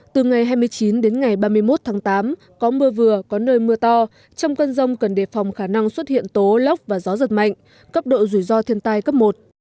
từ ngày hai mươi chín đến ngày ba mươi một tháng tám có mưa vừa có nơi mưa to trong cơn rông cần đề phòng khả năng xuất hiện tố lốc và gió giật mạnh cấp độ rủi ro thiên tai cấp một